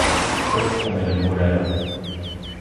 Ur tḥemmlem urar-a.